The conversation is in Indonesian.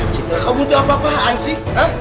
citra kamu itu apa apaan sih